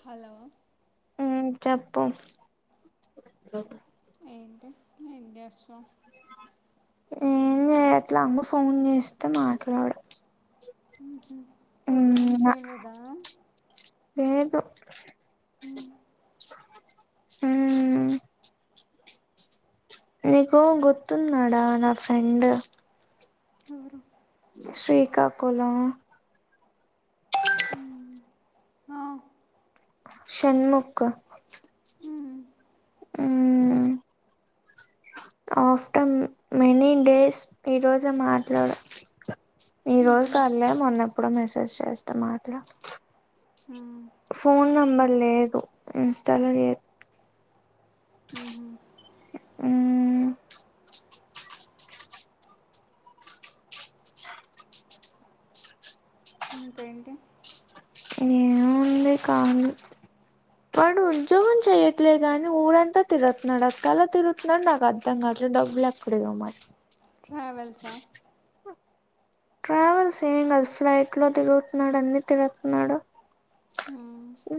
Hello ఉమ్ చెప్పు ఎం చేస్సా ఏం చెయట్లా అమ్మ ఫోన్ చేస్తే మాట్లాడు పొద్దునుంచి ఉమ్ ఏం లేదా లేదు అ ఊమ్ నీకు గుర్తున్నాడా నా ఫ్రెండ్ ఆరు శ్రీకాకుళం ఊమ్ ఆ షన్ముక్ మ్మ్, ఊమ్ ఆఫ్టర్ మెనీ డేస్ ఈరోజు మాట్లాడ ఈ రోజు కళ్ళే మొన్నప్పుడో మెసేజ్ చేస్తే మాట్లా మ్మ్, ఫోన్ నంబర్ మ్మ్, లేదు ఇన్స్టాలొ హూ హు ఊమ్ ఇంకేంటి ఏముంది ఖాళీ వాడు ఉంజోగం చెయ్యట్లే గాని ఊరంతా తిరుగుతున్నాడు క్క ఎలా తిరుగుతున్నాడ నాకు అర్థం కాట్లేదు డబ్బులెక్కడియో మరి ట్రావెల్సా ట్రావెల్స్ ఏం కాదు ఫ్లైట్ లో తిరుగుతున్నాడు అన్నీ తిరుతున్నాడు మ్మ్. ఊ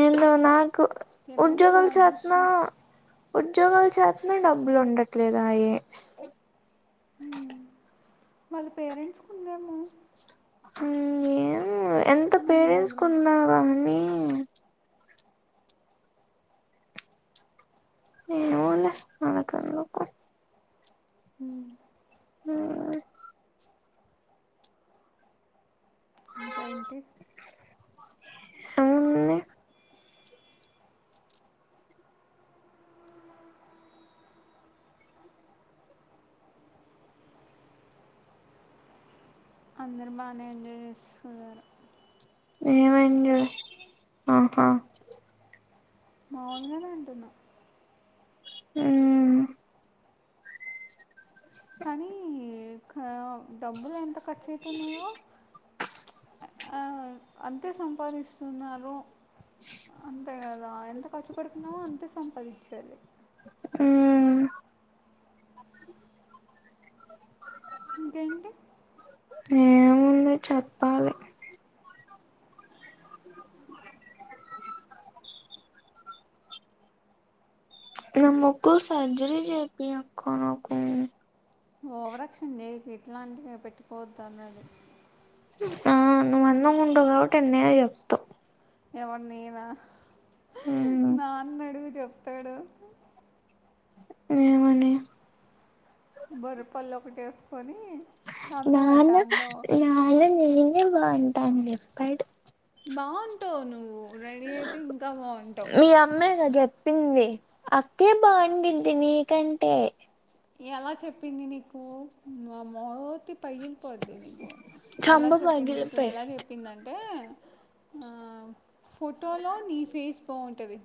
ఏందో నా కు తిరగని ఉద్యోగం చేత్నా అదృష్టం ఉద్యోగం చేత్నే డబ్బులు ఉండట్లేదాయే వాళ్ళ పేరెంట్స్ కుందేమో ఊ ఏమో ఎంత మనీ పేరెంట్స్ బ్యాక్గ్రౌండ్ కున్న గానీ ఏమోలే మనకెందుకు హు ఆ ఇంకా ఏంటి ఏముంది అందరు బానే ఎంజాయ్ చేస్తున్నరు ఏమైంది అది ఆహా మాములుగానే అంటున్న ఉమ్ కానీ క డబ్బులు ఎంత ఖర్చు అయితున్నయో ఆ అంతే సంపాదిస్తున్నారు [unintelligible] ఆ ఎంత ఖర్చుపెడుతున్నామో అంతే సంపాదించాలి మ్మ్ [unintelligible] ఇంకేంటి ఏముంది చెప్పాలి [unintelligible] నా ముకు సర్జరీ చేయిపియక్క నాకు ఓవరక్షన్ చేయకు ఇట్లాంటివే పెట్టుకోవద్దు అన్నది ఆ నువ్వు అందంగ ఉంటవ్ కాబట్టి ఎన్నైనా చెప్తవ్ ఎవరు నేనా నాన్న అడుగు చెప్తాడు ఏమనీ బొర పల్లోకటేసుకొని నాన్న నాన్న నేనే బావుంటా అని చెప్పాడు బాగుంటావు నువ్వు రెడీ అయితే ఇంకా బావుంటావ్ మీ అమ్మేగా చెప్పింది అక్కే బావుండిద్ది నీకంటే ఎలా చెప్పింది నీకు వామ్మో ప పగిలిపోద్ది నీకు ఎలా చంప చెప్పింది నీకు పగిలిపోయి ఎలా చెప్పిందంటే ఆ ఫోటోలో నీ ఫేస్ బావుంటది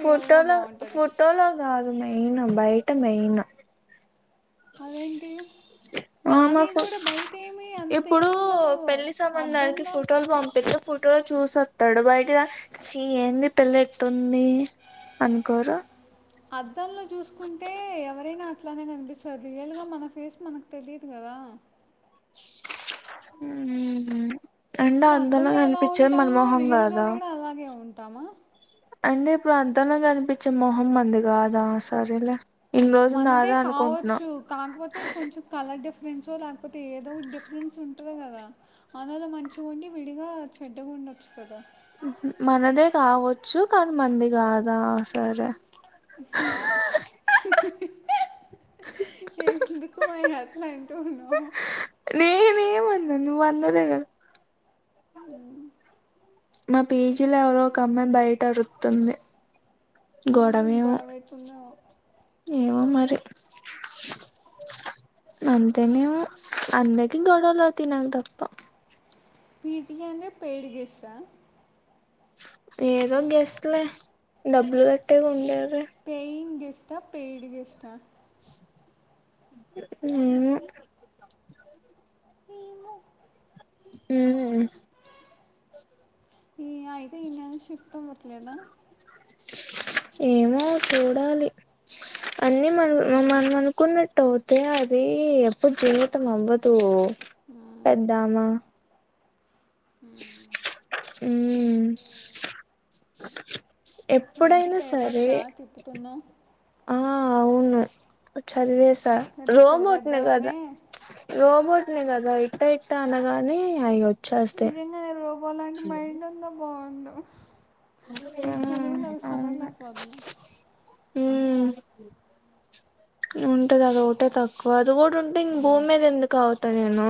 ఫోటోలో ఫోటోలో కాదు మెయిన్ బయట మెయిన్ అదేంటి ఆ మా నాది ఫ కూడా బయట ఏమీ అంత ఇప్పుడు ఏమి ఉండదు పెళ్లి సంబంధానికి అద్దంలో ఫోటోలు పంపిండు ఫో రోజు చూసొస్తాడు బయట చీ ఏంది పిల్ల ఎట్టుంది అనుకోరు అద్దంలో చూసుకుంటే ఎవరైనా అట్లానే కనిపిస్తారు రియల్ గా మన ఫేస్ మనకు తెలియదు కదా ఉమ్ హా ఇప్పుడు అద్దంలో ఎలా ఉంటామా రియల్ గా కూడా అలాగే ఉంటామా అందే ఇప్పుడు అద్దంలో కనిపించే మొహం మనది కాదా సరేలే ఇన్ని రోజులు మనదే నాదే అనుకుంటున్నా కావచ్చు కాకపోతే కొంచెం కలర్ డిఫరెన్స్ లేక పోతే ఏదో ఒక డిఫరెన్స్ ఉంటది కదా అనలో మంచిగాండి విడిగా చెడ్డగా ఉండొచ్చు కదా మనదే కావచ్చు కానీ మంది కాదా సరే ఏందుకు మా హట్లాంట ఉన్నా నేనేమన్నా నువ్వు అన్నదే కదా న పీజీల ఎవరో ఒక అమ్మాయి బయట అరుతుంది ఎందుకు గొడవేమో గొడవైతుందవో ఏమో మరి అంతేనే అందరికి గొడవలు అవుతాయి నాకు తప్ప విజీ గానే పెయిడ్ గెస్టా ఏదో గెస్ట్లే డబ్బులు కట్టే గా ఉండే పయింగ్ గెస్టా, పేయిడ్ గెస్టా? ఏమో ఉమ్ ఈ అయితే ఈనెల షిఫ్ట్ ముట్లేదా ఏమో చూడాలి అన్నీ మన్ హ్మ్. మనం అనుకున్నట్టవుతే అది ఎప్పుడు జీవితం అవ్వదు. పెద్దమా ఉమ్ ఏంటి ఎప్పుడైనా సరే పేపర్సా తిప్పుతున్నావు? ఆ ఆ అవును చదివేసా, పెద్ద రోబోట్ ని కదా చదివేద్దామనే రోబోట్ నీ కదా ఇట్ట ఇట్ట అనగానే అయి వచ్చేస్తయ్ నే రోబోలాంటి మైండ్ ఉన్నా బాగుండు ఈ చదువులు అవి ఉమ్ సదవలేక పోతున్నాం. ఉమ్ ఉంటది అది ఒకటే తక్కువ అది కూడా ఉంటే ఇం భూమి మీద ఎందుకు ఆగుతా నేను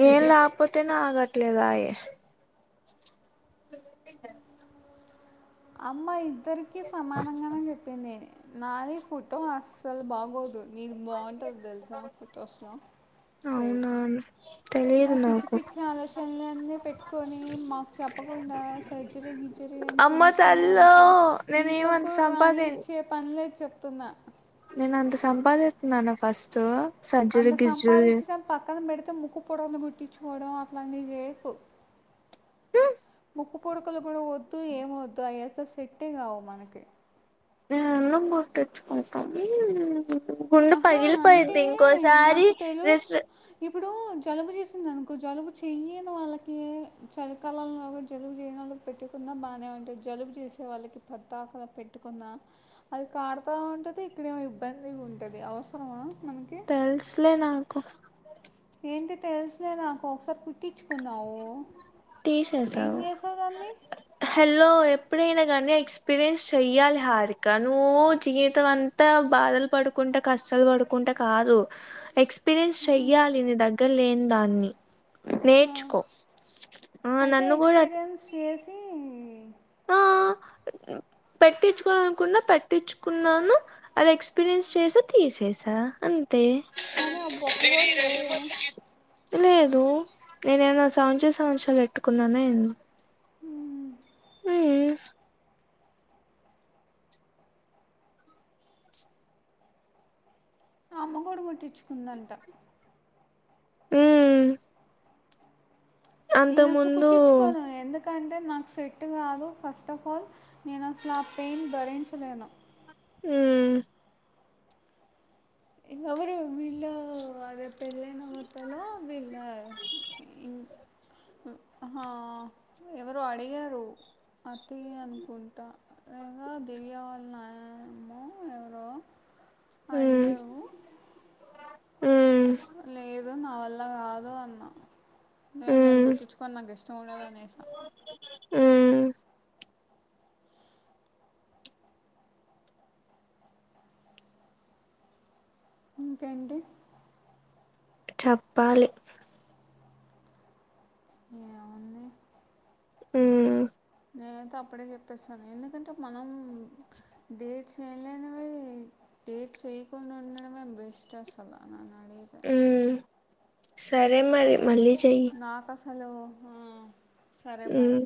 నేను లేకపోతేనే ఆగట్లేదాయే [inaudible] అమ్మా ఇద్దరికి సమానంగానే చెప్పింది నాది ఫోటో అస్సల్ బాగోదు నీది బాగుంటది తెలుసా ఫొటోస్లో అవునా ఫేసు తెలియదు నువ్వు పిచ్చి నాకు పిచ్చి ఆలోచనలన్నీ పెట్టుకొని మాకు చెప్పకుండా సర్జరీ గిర్జరీ అని అమ్మ చేయించుకున్నావు తల్లో అనుకో నేను ఏమంత సంపాదిం దే చెప్తున్నా నేను అంత సంపాదితున్నాన ఫస్టు అంత సంపాదించడం పక్కన పెడితే ముక్కుపుడలు కుటిచ్చు కోవడం అట్లాంటి చేయకు ముక్కు పొడుకలు కూడా వద్దు, ఏమి వద్దు అయసలు సెట్టే కావు మనకి నేను కుట్టించుకుంటాం ఈ గుండె ఆహా అంటే పగిలిపోయిద్ది ఇంకోసారి నాకు రెస్ తెలుసు ఇప్పుడు జలుబు చేసింది అనుకో, జలుబు చెయని వాళ్ళకి చలికాలంలో కూడా జలుబు చేయని వాళ్ పెట్టుకున్నా బానే ఉంటది జలుబు చేసే వాళ్ళకి పెద్దాక పెట్టుకున్నా అది కార్తా ఉంటది ఇక్కడేమో ఇబ్బందిగుంటది అవసరమా మనకి తెలుసులే నాకు ఏంటి తెలుసులే నాకు ఒకసారి కుుట్టించుకున్నావు తీసేసావ్ హలో ఎప్పుడైనా గానీ ఎక్స్పీరియన్స్ చెయ్యాలి హారిక, నువ్వు జీవితం అంతా బాధలు పడుకుం ట కష్టాలు పడుకుంటే కాదు ఎక్స్ పిరియన్స్ చెయ్యాలి నీ దగ్గర లేని దాన్ని, ఆ, నేర్చుకో ఆ అయితే నన్ను గుడ ఎక్స్పీరియన్స్ చేసి ఆ పెట్టించుకోవాలనుకున్నా పెట్టించుకున్నాను, అది ఎక్స్పీరియన్స్ చేసి తీసేసా అం తే కానీ ఆ బొక్క కూడా లేదే లేదు నేనేమన్న సౌంచ సంవత్సరాలు ఎట్టుకున్ననా ఏంది? మ్మ్ అమ్మగూడ ముట్టించుకుందంట హ్మ్ నేను అసలు కుట్టిచ్చుకోను ఎండ ఎందుకంటే నాకు సెట్ కాదు ఫస్ట్ ఆఫ్ ఆల్ నేను అసలు ఆ పెయిన్ భరించలేను ఉమ్ ఎవరు వీళ్ళు అదే పెళ్ళైన మొత్తంలో వీళ్ళ ఉమ్ ఆహా ఎవరో అడిగారు అతి అనుకుంటా లేద దివ్య వాళ్ళాయనేమో ఎవరో మ్మ్ అయ్యో మ్మ్ లేదు నా వల్ల కాదు అన్నా నేను నేను మ్మ్ కుట్టిచ్చుకోని నాకు ఇష్టం ఉండదని అనేసాను మ్మ్ ఇంకేంటి చెప్పాలి ఏముంది హ్మ్ నేనైతే అప్పుడే చెప్పేస్తాను ఎందుకంటే మనం డేట్స్ ఏం లేనివి ఏం చేయకుండా ఉండడమే బెస్ట్ అసలా మ్మ్ సరే మరి మళ్ళీ చెయ్యి హలో హా హ్మ్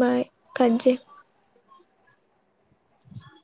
బాయ్ కట్ చేయ్ సరే